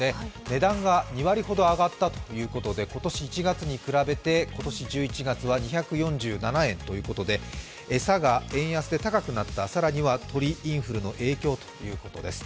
値段が２割ほど上がったということで今年１月に比べて今年１１月は２４７円ということで餌が円安で高くなった、更に鳥インフルの影響ということです。